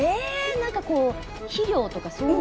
何かこう肥料とかそういう。